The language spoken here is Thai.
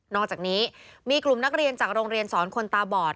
อกจากนี้มีกลุ่มนักเรียนจากโรงเรียนสอนคนตาบอด